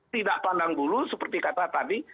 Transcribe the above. tidak pandang dulu seperti kata tadi